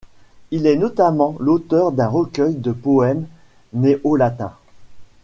Il est notamment l'auteur d'un recueil de poèmes néolatins.